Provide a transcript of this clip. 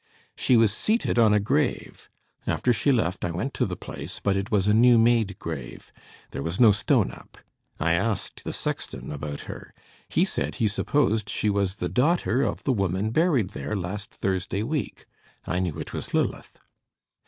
"She was seated on a grave. After she left, I went to the place; but it was a new made grave. There was no stone up. I asked the sexton about her. He said he supposed she was the daughter of the woman buried there last Thursday week. I knew it was Lilith."